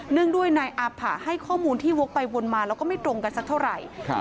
งด้วยนายอาผะให้ข้อมูลที่วกไปวนมาแล้วก็ไม่ตรงกันสักเท่าไหร่